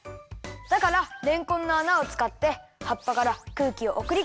だかられんこんのあなをつかってはっぱからくうきをおくりこんでいるんだよ。